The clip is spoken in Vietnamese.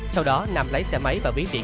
sau đó nam lấy xe máy và bí điện